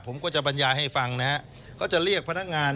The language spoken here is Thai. ผมก็จะบรรยายให้ฟังนะฮะเขาจะเรียกพนักงาน